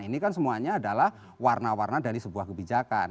ini kan semuanya adalah warna warna dari sebuah kebijakan